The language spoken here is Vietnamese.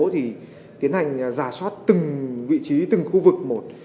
thì tiến hành giả soát từng vị trí từng khu vực một